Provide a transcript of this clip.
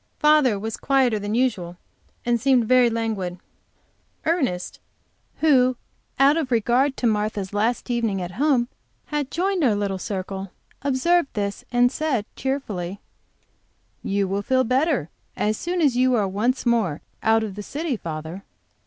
Father was quieter than usual, and seemed very languid. Ernest who, out of regard to Martha's last evening at home, had joined our little circle, observed this, and said, cheerfully: "You will feel better as soon as you are once more out of the city, father."